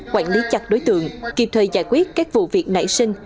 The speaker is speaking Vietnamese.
quản lý chặt đối tượng kịp thời giải quyết các vụ việc nảy sinh